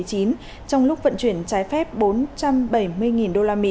trong lúc vận chuyển trái phép bốn trăm bảy mươi usd